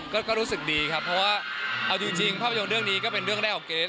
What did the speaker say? ก็รู้สึกดีครับเพราะว่าเอาจริงภาพยนตร์เรื่องนี้ก็เป็นเรื่องแรกของเกรท